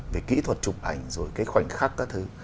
về kỹ thuật chụp ảnh rồi cái khoảnh khắc các thứ